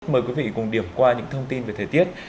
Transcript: mời quý vị cùng điểm qua những thông tin về thời tiết